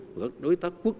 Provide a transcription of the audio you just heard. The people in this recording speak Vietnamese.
và các đối tác quốc gia